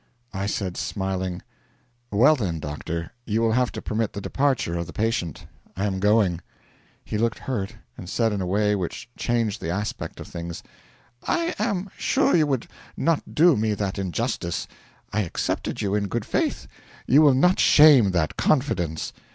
I said smiling: 'Well, then, doctor, you will have to permit the departure of the patient. I am going.' He looked hurt, and said in a way which changed the aspect of things: 'I am sure you would not do me that injustice. I accepted you in good faith you will not shame that confidence.